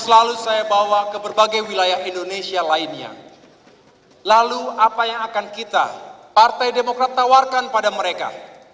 lalu apa yang akan kita partai demokrat tawarkan pada mereka